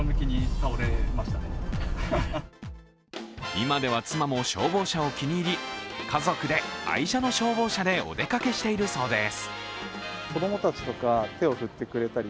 今では妻も消防車を気に入り家族で愛車の消防車でお出かけしているそうです。